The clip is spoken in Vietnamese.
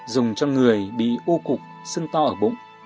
dùng cho người bị u cục sưng to ở bụng